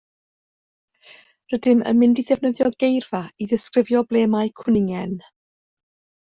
Rydym yn mynd i ddefnyddio geirfa i ddisgrifio ble mae cwningen.